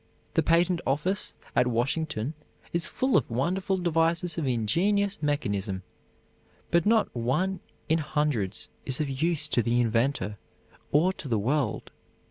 The patent office at Washington is full of wonderful devices of ingenious mechanism, but not one in hundreds is of use to the inventor or to the world.